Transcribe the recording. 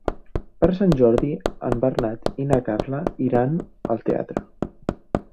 Per Sant Jordi en Bernat i na Carla iran al teatre.